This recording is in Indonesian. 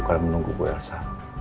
kalau menunggu ibu elsa